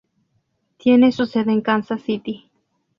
Tiene su sede en Kansas City.